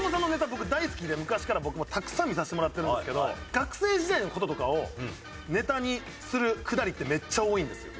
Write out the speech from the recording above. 僕大好きで昔から僕もたくさん見させてもらってるんですけど学生時代の事とかをネタにするくだりってめっちゃ多いんですよ。